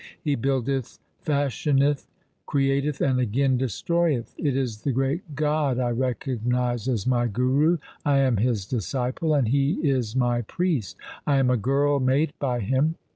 He buildeth, fashioneth, createth, and again destroyeth. It is the great God I recognize as my Guru. I am His disciple and He is my priest. I am a girl made by Him.